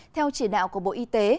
theo chỉ đạo của bộ y tế